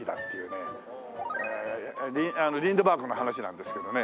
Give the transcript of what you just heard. リンドバーグの話なんですけどね。